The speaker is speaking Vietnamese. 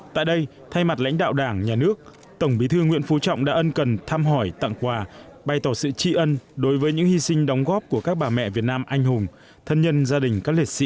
tại đây thay mặt lãnh đạo đảng nhà nước tổng bí thư nguyễn phú trọng đã ân cần thăm hỏi tặng quà bày tỏ sự tri ân đối với những hy sinh đóng góp của các bà mẹ việt nam anh hùng thân nhân gia đình các liệt sĩ